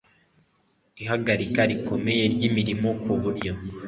ihagarika rikomeye ry imirimo ku buryo